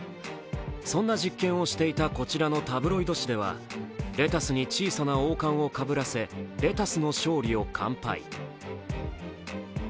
そんな実験をしていたこちらのタブロイド紙ではレタスに小さな王冠をかぶらせレタスの勝利を乾杯。